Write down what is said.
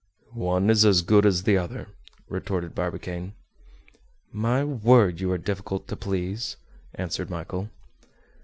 "One is as good as the other," retorted Barbicane. "My word, you are difficult to please," answered Michel.